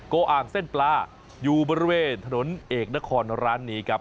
อ่างเส้นปลาอยู่บริเวณถนนเอกนครร้านนี้ครับ